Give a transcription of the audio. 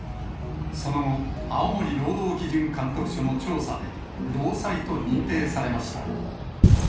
その後、青森労働基準監督署の調査で、労災と認定されました。